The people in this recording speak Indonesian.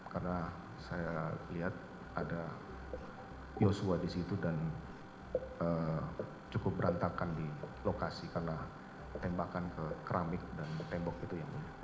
karena saya lihat ada yosua di situ dan cukup berantakan di lokasi karena tembakan ke keramik dan tembok itu